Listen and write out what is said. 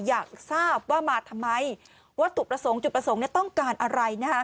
อยากทราบว่ามาทำไมวัตถุประสงค์จุดประสงค์ต้องการอะไร